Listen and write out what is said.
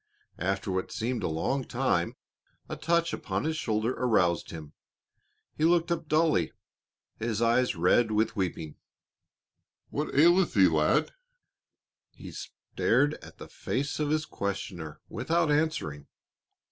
After what seemed a long time a touch upon his shoulder aroused him, he looked up dully, his eyes red with weeping. "What aileth thee, lad?" He stared at the face of his questioner without answering.